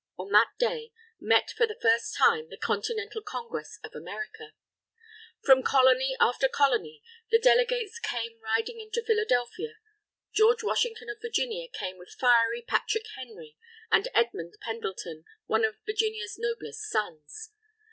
On that day, met for the first time, the Continental Congress of America. From Colony after Colony, the delegates came riding into Philadelphia. George Washington of Virginia came with fiery Patrick Henry, and Edmund Pendleton, "one of Virginia's noblest sons."